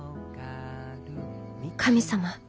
神様。